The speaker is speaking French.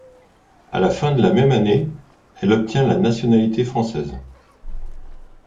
À la fin de la même année, elle obtient la nationalité française.